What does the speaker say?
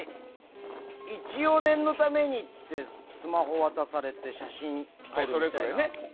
一応、念のためにってスマホを渡されて写真撮るみたいな。